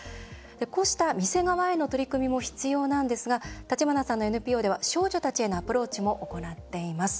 こうした店側への取り組みも必要なんですが橘さんのＮＰＯでは少女たちへのアプローチも行っています。